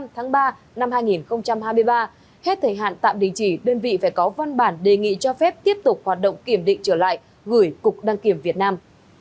tháng ba năm hai nghìn hai mươi ba hết thời hạn tạm đình chỉ đơn vị phải có văn bản đề nghị cho phép tiếp tục hoạt động kiểm định trở lại gửi cục đăng kiểm việt nam